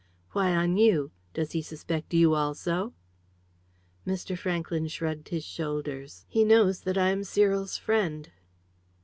"Why on you? Does he suspect you also?" Mr. Franklyn shrugged his shoulders. "He knows that I am Cyril's friend."